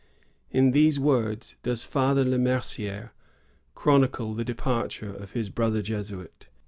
In these words does Father Le Mercier chronicle the departure of his brother Jesuit.